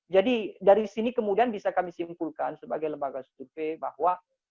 jadi dari sini kemudian bisa kami simpulkan sebagai lembaga stupe bahwa